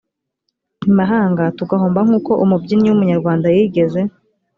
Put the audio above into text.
imahanga tugahomba nk uko umubyinnyi w umunyarwanda yigeze